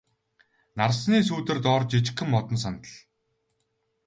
Нарсны сүүдэр дор жижигхэн модон сандал.